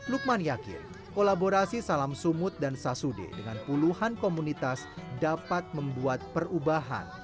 lukman yakin kolaborasi salam sumut dan sasude dengan puluhan komunitas dapat membuat perubahan